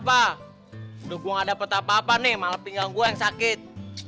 udah gua gak dapet apa apa nih malah pinggang gua yang sakit